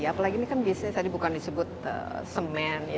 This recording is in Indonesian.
apalagi ini kan biasanya tadi bukan disebut semen